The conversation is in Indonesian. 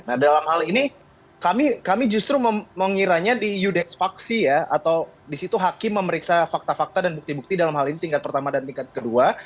nah dalam hal ini kami justru mengiranya di yudeks faksi ya atau di situ hakim memeriksa fakta fakta dan bukti bukti dalam hal ini tingkat pertama dan tingkat kedua